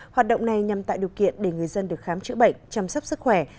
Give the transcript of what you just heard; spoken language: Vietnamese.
hoạt động này nhằm tạo điều kiện để người dân được khám chữa bệnh chăm sóc sức khỏe